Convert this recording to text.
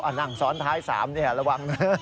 อันหั่งสอนท้าย๓ระวังนะ